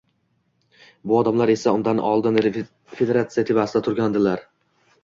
Bu odamlar esa undan oldin federatsiya tepasida turganlardir.